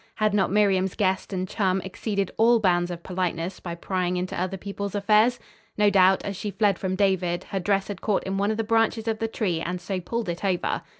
Had not Miriam's guest and chum exceeded all bounds of politeness by prying into other people's affairs? No doubt, as she fled from David, her dress had caught in one of the branches of the tree and so pulled it over.